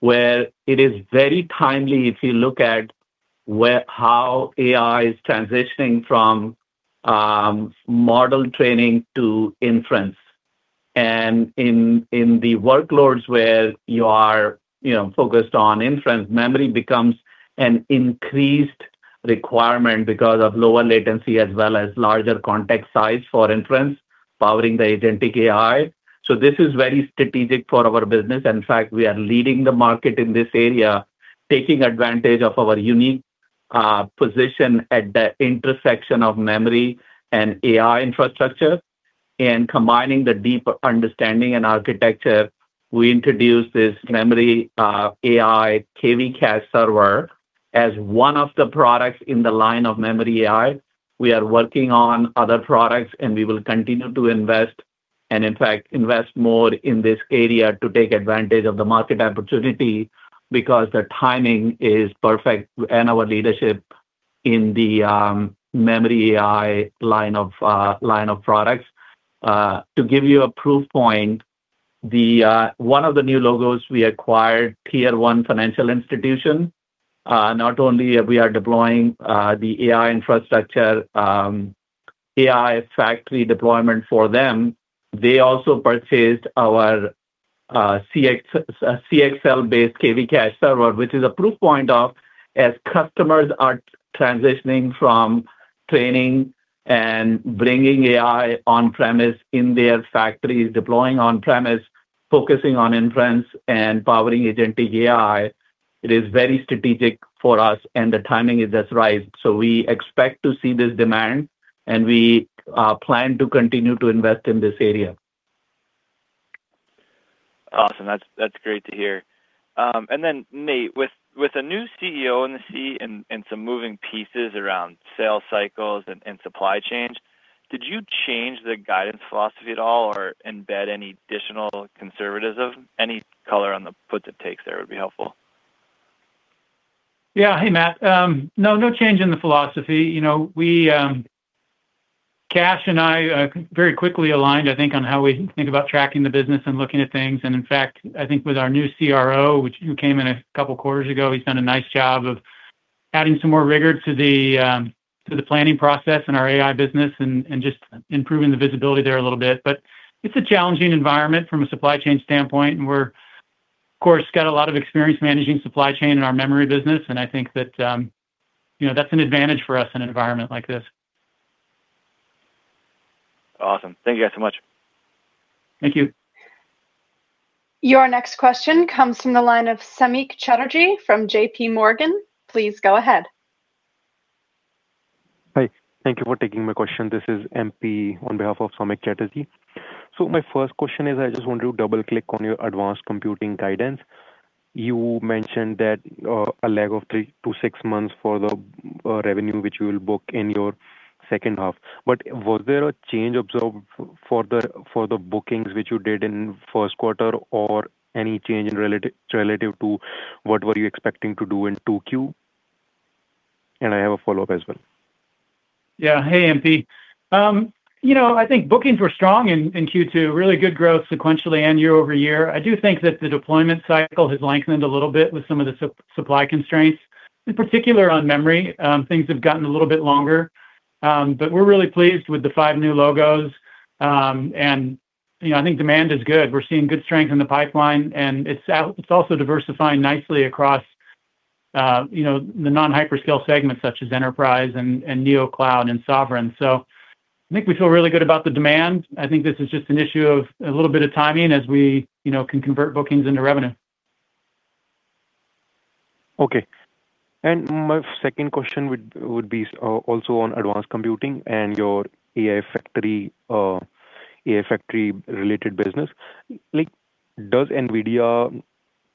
where it is very timely if you look at where how AI is transitioning from model training to inference. In the workloads where you are, you know, focused on inference, memory becomes an increased requirement because of lower latency as well as larger context size for inference powering the agentic AI. This is very strategic for our business. In fact, we are leading the market in this area, taking advantage of our unique position at the intersection of Memory and AI infrastructure and combining the deep understanding and architecture. We introduced this MemoryAI KV cache server as one of the products in the line of MemoryAI. We are working on other products, and we will continue to invest and, in fact, invest more in this area to take advantage of the market opportunity because the timing is perfect and our leadership in the MemoryAI line of products. To give you a proof point, one of the new logos we acquired, tier one financial institution, not only are we deploying the AI infrastructure, AI factory deployment for them, they also purchased our CXL-based KV cache server, which is a proof point as customers are transitioning from training and bringing AI on premise in their factories, deploying on premise, focusing on inference and powering agentic AI. It is very strategic for us, and the timing is just right. We expect to see this demand, and we plan to continue to invest in this area. Awesome. That's great to hear. Nate, with a new CEO in the seat and some moving pieces around sales cycles and supply chains, did you change the guidance philosophy at all or embed any additional conservatism? Any color on the puts and takes there would be helpful. Yeah. Hey, Matt. No change in the philosophy. You know, we, Kash and I, very quickly aligned, I think, on how we think about tracking the business and looking at things. In fact, I think with our new CRO, who came in a couple quarters ago, he's done a nice job of adding some more rigor to the planning process in our AI business and just improving the visibility there a little bit. It's a challenging environment from a supply chain standpoint and we're, of course, got a lot of experience managing supply chain in our Memory business, and I think that, you know, that's an advantage for us in an environment like this. Awesome. Thank you guys so much. Thank you. Your next question comes from the line of Samik Chatterjee from JP Morgan. Please go ahead. Hi. Thank you for taking my question. This is MP on behalf of Samik Chatterjee. My first question is I just want to double-click on your Advanced Computing guidance. You mentioned that a lag of three to six months for the revenue which you will book in your second half. But was there a change observed for the bookings which you did in first quarter or any change relative to what were you expecting to do in 2Q? I have a follow-up as well. Yeah. Hey, MP. You know, I think bookings were strong in Q2, really good growth sequentially and year over year. I do think that the deployment cycle has lengthened a little bit with some of the supply constraints. In particular on Memory, things have gotten a little bit longer. But we're really pleased with the five new logos. And, you know, I think demand is good. We're seeing good strength in the pipeline, and it's also diversifying nicely across, you know, the non-hyperscale segments such as enterprise and Neocloud and Sovereign. I think we feel really good about the demand. I think this is just an issue of a little bit of timing as we, you know, can convert bookings into revenue. Okay. My second question would be also on Advanced Computing and your AI factory related business. Like, does NVIDIA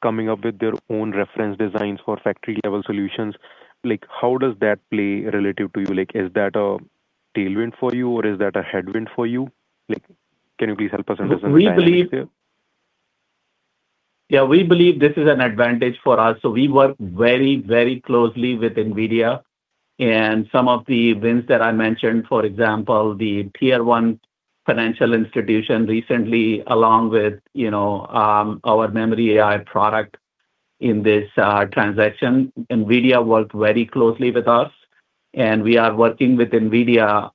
coming up with their own reference designs for factory level solutions, like, how does that play relative to you? Like, is that a tailwind for you, or is that a headwind for you? Like, can you please help us understand? We believe this is an advantage for us. We work very, very closely with NVIDIA and some of the wins that I mentioned, for example, the tier one financial institution recently, along with, you know, our MemoryAI product in this transaction. NVIDIA worked very closely with us, and we are working with NVIDIA,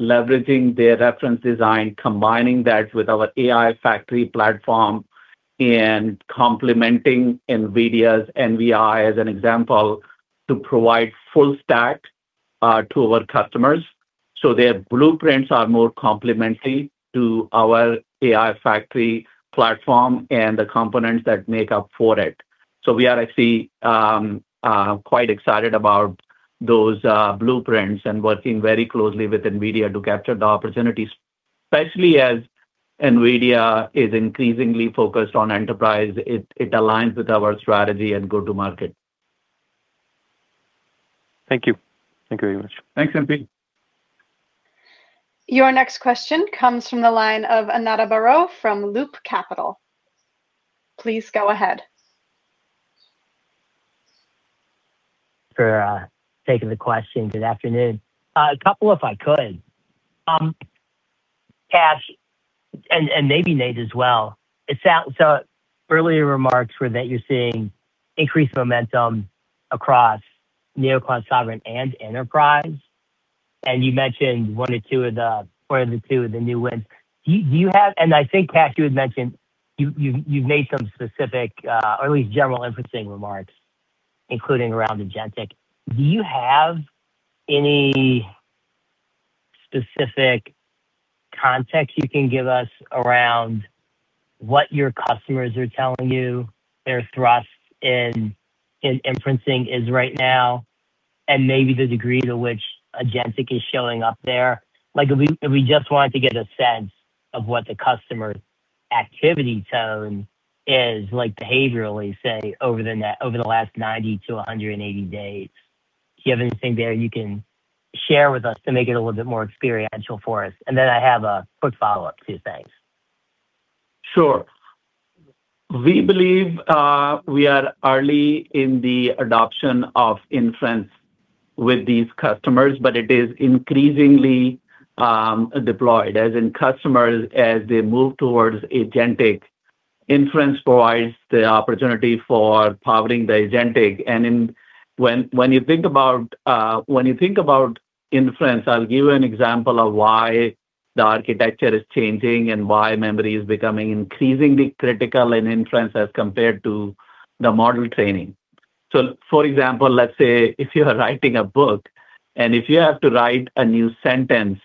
leveraging their reference design, combining that with our AI factory platform and complementing NVIDIA's NVL, as an example, to provide full stack to our customers. Their blueprints are more complementary to our AI factory platform and the components that make up for it. We are actually quite excited about those blueprints and working very closely with NVIDIA to capture the opportunities, especially as NVIDIA is increasingly focused on enterprise. It aligns with our strategy and go-to-market. Thank you. Thank you very much. Thanks, MP. Your next question comes from the line of Ananda Baruah from Loop Capital. Please go ahead. For taking the question. Good afternoon. A couple if I could. Kash, and maybe Nate as well. Earlier remarks were that you're seeing increased momentum across Neocloud, Sovereign and Enterprise. You mentioned one or two of the new wins. I think, Kash, you had mentioned you've made some specific, or at least general inferencing remarks, including around agentic. Do you have any specific context you can give us around what your customers are telling you their thrust in inferencing is right now and maybe the degree to which agentic is showing up there? Like, if we just wanted to get a sense of what the customer activity tone is like behaviorally, say, over the last 90-180 days. Do you have anything there you can share with us to make it a little bit more experiential for us? I have a quick follow-up. Two things. Sure. We believe we are early in the adoption of inference with these customers, but it is increasingly deployed as in customers, as they move towards agentic. Inference provides the opportunity for powering the agentic. When you think about inference, I'll give you an example of why the architecture is changing and why memory is becoming increasingly critical in inference as compared to the model training. So for example, let's say if you are writing a book, and if you have to write a new sentence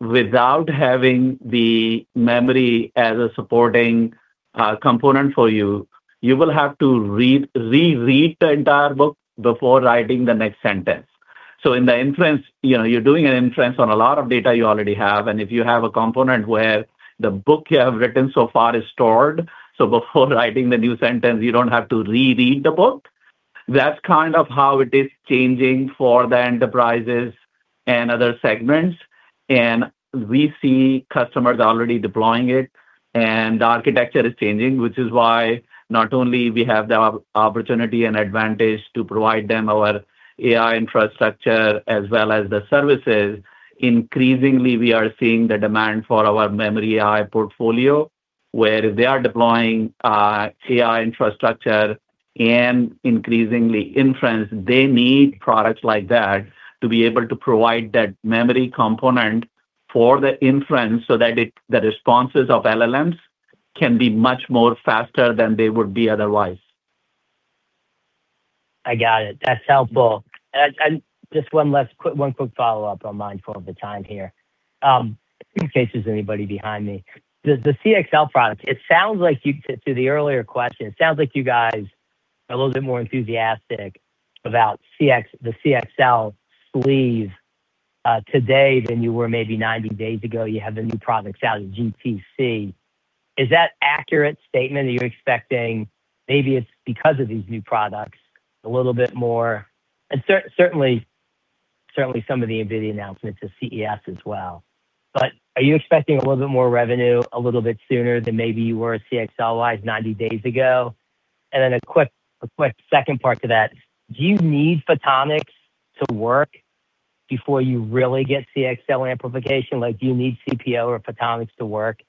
without having the memory as a supporting component for you will have to reread the entire book before writing the next sentence. In the inference, you know, you're doing an inference on a lot of data you already have, and if you have a component where the book you have written so far is stored, so before writing the new sentence, you don't have to reread the book. That's kind of how it is changing for the enterprises and other segments. We see customers already deploying it, and the architecture is changing, which is why not only we have the opportunity and advantage to provide them our AI infrastructure as well as the services, increasingly, we are seeing the demand for our MemoryAI portfolio, where they are deploying AI infrastructure and increasingly inference. They need products like that to be able to provide that memory component for the inference so that the responses of LLMs can be much more faster than they would be otherwise. I got it. That's helpful. Just one last quick follow-up on mine for the time here, in case there's anybody behind me. The CXL product, it sounds like to the earlier question, it sounds like you guys are a little bit more enthusiastic about the CXL sleeve today than you were maybe 90 days ago. You have the new products out at GTC. Is that accurate statement? Are you expecting maybe it's because of these new products a little bit more and certainly some of the NVIDIA announcements at CES as well. But are you expecting a little bit more revenue a little bit sooner than maybe you were CXL-wise 90 days ago? A quick second part to that, do you need photonics to work before you really get CXL amplification? Like, do you need CPO or photonics to work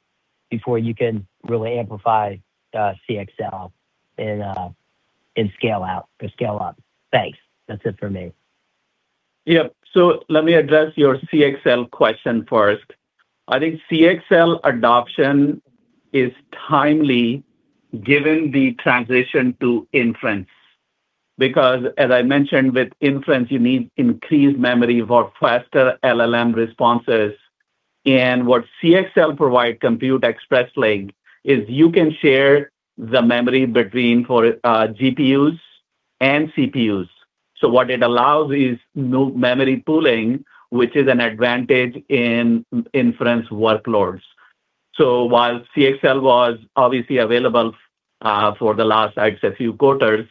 before you can really amplify, CXL and scale out or scale up? Thanks. That's it for me. Yep. Let me address your CXL question first. I think CXL adoption is timely given the transition to inference. As I mentioned, with inference, you need increased memory for faster LLM responses. What CXL provide Compute Express Link is you can share the memory between GPUs and CPUs. What it allows is now memory pooling, which is an advantage in inference workloads. While CXL was obviously available for the last, I'd say few quarters,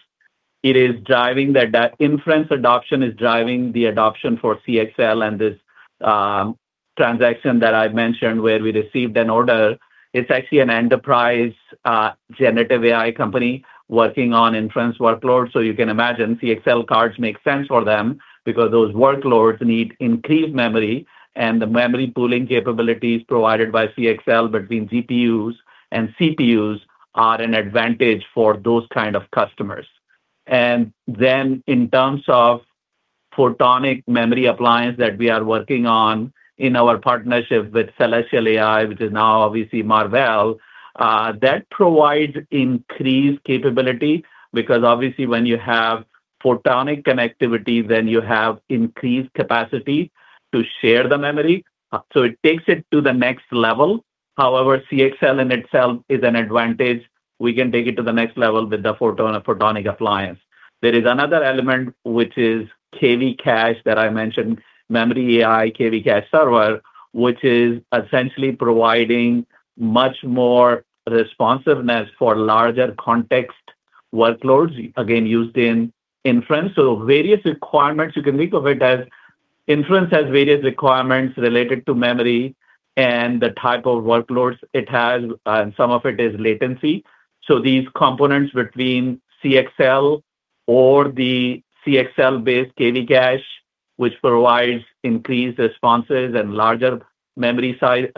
it is that inference adoption is driving the adoption for CXL and this transaction that I mentioned where we received an order. It's actually an enterprise Generative AI company working on inference workloads, so you can imagine CXL cards make sense for them because those workloads need increased memory, and the memory pooling capabilities provided by CXL between GPUs and CPUs are an advantage for those kind of customers. In terms of photonic memory appliance that we are working on in our partnership with Celestial AI, which is now obviously Marvell, that provides increased capability because obviously when you have photonic connectivity, then you have increased capacity to share the memory. It takes it to the next level. However, CXL in itself is an advantage. We can take it to the next level with the photonic appliance. There is another element, which is KV cache that I mentioned, MemoryAI, KV cache server, which is essentially providing much more responsiveness for larger context workloads, again, used in inference. Various requirements, you can think of it as inference has various requirements related to memory and the type of workloads it has, and some of it is latency. These components between CXL or the CXL-based KV cache, which provides increased responses and larger memory size,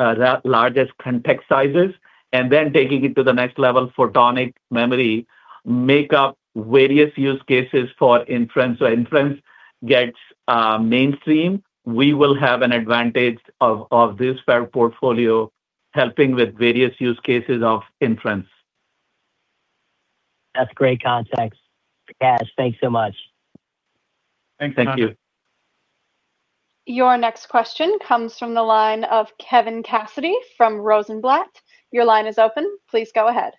larger context sizes, and then taking it to the next level, Photonic Memory, make up various use cases for inference. Inference gets mainstream. We will have an advantage of this fair portfolio helping with various use cases of inference. That's great context. Thanks so much. Thanks. Thank you. Your next question comes from the line of Kevin Cassidy from Rosenblatt. Your line is open. Please go ahead.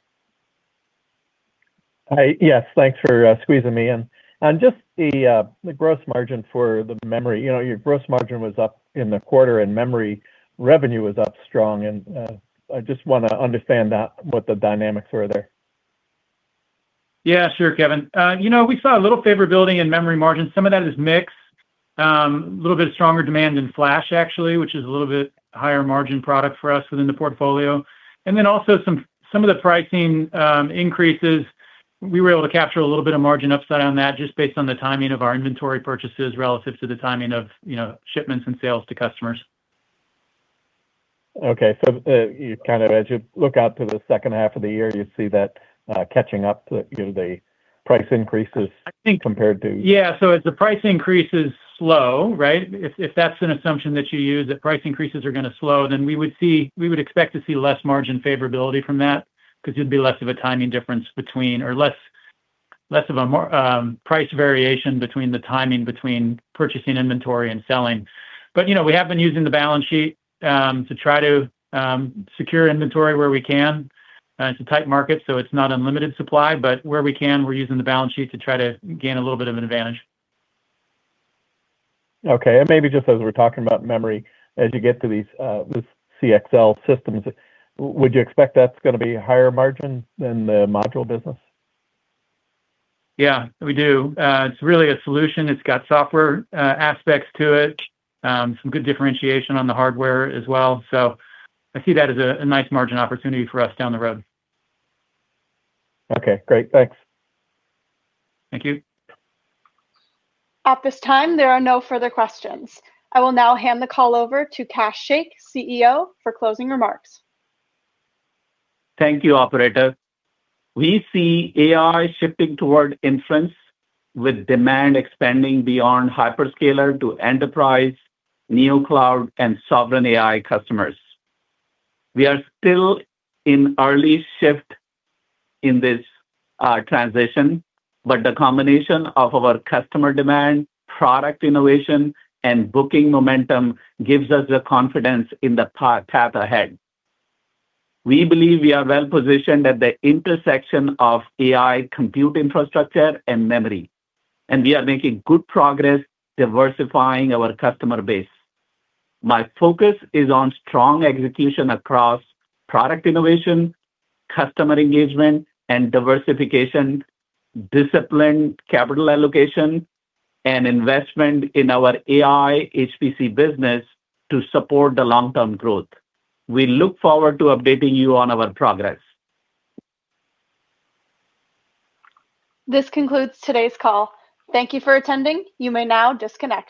Hi. Yes. Thanks for squeezing me in. Just the gross margin for the Memory. You know, your gross margin was up in the quarter, and Memory revenue was up strong. I just wanna understand that, what the dynamics were there? Yeah. Sure, Kevin. You know, we saw a little favor building in memory margins. Some of that is mixed. A little bit stronger demand in flash actually, which is a little bit higher margin product for us within the portfolio. Then also some of the pricing increases, we were able to capture a little bit of margin upside on that just based on the timing of our inventory purchases relative to the timing of, you know, shipments and sales to customers. Okay. You kind of as you look out to the second half of the year, you see that catching up to, you know, the price increases. I think- -compared to. Yeah. As the price increase is slow, right? If that's an assumption that you use, that price increases are gonna slow, then we would expect to see less margin favorability from that because it'd be less of a timing difference between or less Less of a price variation between the timing between purchasing inventory and selling. You know, we have been using the balance sheet to try to secure inventory where we can. It's a tight market, so it's not unlimited supply. Where we can, we're using the balance sheet to try to gain a little bit of an advantage. Okay. Maybe just as we're talking about memory, as you get to these CXL systems, would you expect that's gonna be a higher margin than the module business? Yeah, we do. It's really a solution. It's got software, aspects to it. Some good differentiation on the hardware as well. I see that as a nice margin opportunity for us down the road. Okay, great. Thanks. Thank you. At this time, there are no further questions. I will now hand the call over to Kash Shaikh, CEO, for closing remarks. Thank you, operator. We see AI shifting toward inference, with demand expanding beyond hyperscaler to enterprise, Neocloud, and Sovereign AI customers. We are still in early shift in this transition, but the combination of our customer demand, product innovation, and booking momentum gives us the confidence in the path ahead. We believe we are well positioned at the intersection of AI compute infrastructure and memory, and we are making good progress diversifying our customer base. My focus is on strong execution across product innovation, customer engagement, and diversification, disciplined capital allocation, and investment in our AI/HPC business to support the long-term growth. We look forward to updating you on our progress. This concludes today's call. Thank you for attending. You may now disconnect.